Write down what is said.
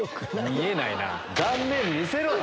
見えないな。